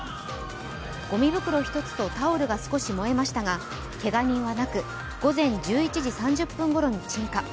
ごみ袋１つとタオルが少し燃えましたが、けが人はなく、午前１１時３０分ごろに鎮火。